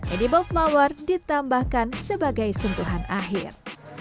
edible flower ditambahkan sebagai sentuhan akhir